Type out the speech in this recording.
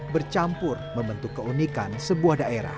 bercampur membentuk keunikan sebuah daerah